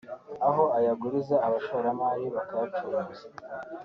aho ayaguriza abashoramari bakayacuruza